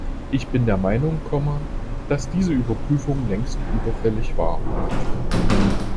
Ich bin der Meinung, dass diese Überprüfung längst überfällig war.